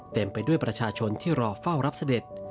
เต็มไปด้วยประชาชนที่รอเฝ้ารับเสด็จ